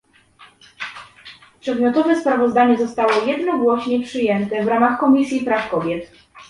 Przedmiotowe sprawozdanie zostało jednogłośnie przyjęte w ramach Komisji Praw Kobiet